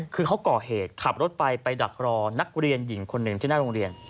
คือเขาก่อเหตุขับรถไปไปดักรอนักเรียนหญิงคนหนึ่งที่หน้าโรงเรียน